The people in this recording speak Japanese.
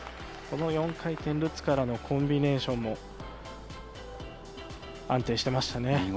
この４回転ルッツからのコンビネーションも安定していましたね。